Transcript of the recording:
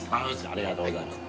ありがとうございます。